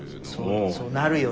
そうなるよね。